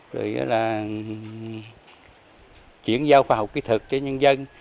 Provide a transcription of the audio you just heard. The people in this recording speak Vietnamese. rồi là chuyển giao khoa học kỹ thực cho nhân dân